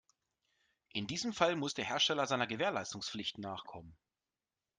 In diesem Fall muss der Hersteller seiner Gewährleistungspflicht nachkommen.